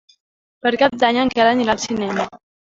Per Cap d'Any en Quel anirà al cinema.